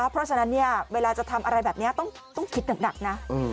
เพราะฉะนั้นเนี่ยเวลาจะทำอะไรแบบนี้ต้องคิดหนักนะ